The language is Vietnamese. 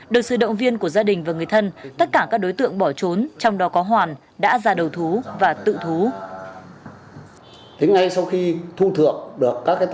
được sự động viên của gia đình và người thân tất cả các đối tượng bỏ trốn trong đó có hoàn đã ra đầu thú và tự thú